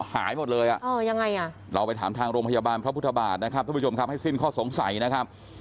หายหมดเลยอ่ะเราไปถามทางโรงพยาบาลพระพุทธบาทนะครับทุกผู้ชมครับให้สิ้นข้อสงสัยนะครับ